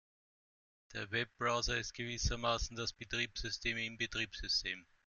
Der Webbrowser ist gewissermaßen das Betriebssystem im Betriebssystem.